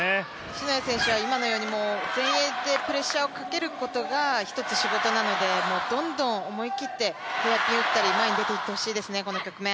篠谷選手は今のように前衛でプレッシャーをかけることが一つ仕事なので、どんどん思い切ってヘアピン打ったり、前に出ていってほしいですね、この局面。